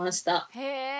へえ！